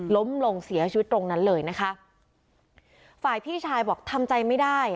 ล้มลงเสียชีวิตตรงนั้นเลยนะคะฝ่ายพี่ชายบอกทำใจไม่ได้